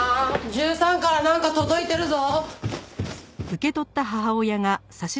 １３からなんか届いてるぞ！